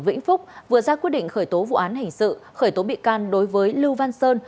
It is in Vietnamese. tỉnh vĩnh phúc vừa ra quyết định khởi tố vụ án hình sự khởi tố bị can đối với lưu văn sơn